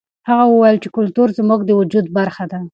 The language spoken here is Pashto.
هغه وویل چې کلتور زموږ د وجود برخه ده.